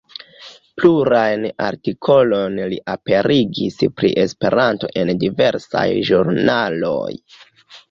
Plurajn artikolojn li aperigis pri Esperanto en diversaj ĵurnaloj.